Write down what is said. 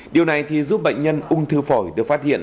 điều này thì giúp bệnh nhân ung thư phổi được phát hiện